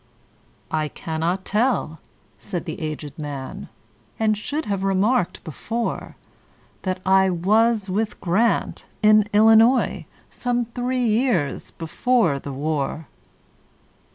"I cannot tell," said the aged man,"And should have remarked before, That I was with Grant,—in Illinois,—Some three years before the war."